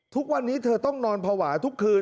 ทุกวันนี้เธอต้องนอนภาวะทุกคืน